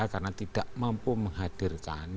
karena tidak mampu menghadirkan